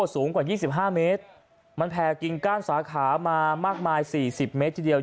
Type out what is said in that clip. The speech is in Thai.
สูงกว่า๒๕เมตรมันแผ่กิงก้านสาขามามากมาย๔๐เมตรทีเดียว